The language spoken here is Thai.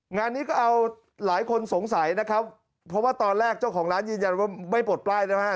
งานนี้ก็เอาหลายคนสงสัยนะครับเพราะว่าตอนแรกเจ้าของร้านยืนยันว่าไม่ปลดป้ายนะฮะ